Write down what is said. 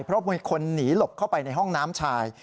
เพราะมีคนหนีหลบเข้าไปในห้องน้ำชาย